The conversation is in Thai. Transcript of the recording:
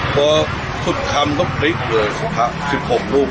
พอพุดคำก็พลิกเลยสุขะ๑๖รูป